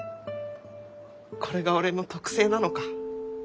これが俺の特性なのか。